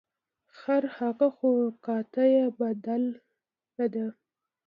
خرهغه خو کته یې بدله ده .